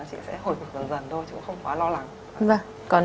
chị sẽ hồi phục dần dần thôi chứ cũng không quá lo lắng